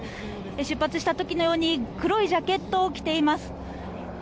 出発した時のように黒いジャケットを着ています。